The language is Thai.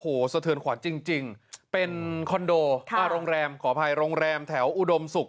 โอ้โหสะเทือนขวัญจริงเป็นคอนโดโรงแรมขออภัยโรงแรมแถวอุดมศุกร์